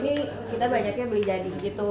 ini kita banyaknya beli jadi gitu